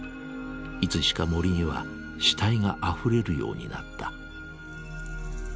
いつしか森には死体があふれるようになった。